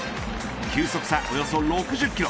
球速差およそ６０キロ。